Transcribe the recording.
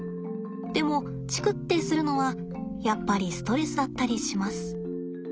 でもチクッてするのはやっぱりストレスだったりします。